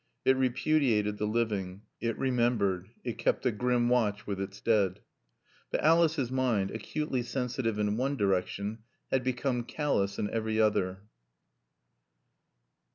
It repudiated the living; it remembered; it kept a grim watch with its dead. But Alice's mind, acutely sensitive in one direction, had become callous in every other.